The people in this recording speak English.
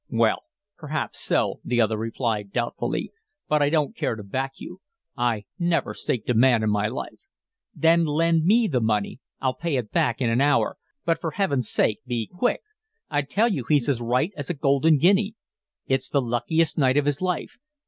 "Well, perhaps so," the other replied, doubtfully, "but I don't care to back you. I never 'staked' a man in my life." "Then LEND me the money. I'll pay it back in an hour, but for Heaven's sake be quick. I tell you he's as right as a golden guinea. It's the lucky night of his life.